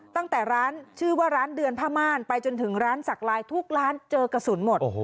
ตั้งแต่ร้านชื่อว่าร้านเดือนผ้าม่านไปจนถึงร้านสักลายทุกร้านเจอกระสุนหมด